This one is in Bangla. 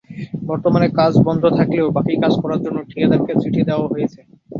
বর্তমানে কাজ বন্ধ থাকলেও বাকি কাজ করার জন্য ঠিকাদারকে চিঠি দেওয়া হয়েছে।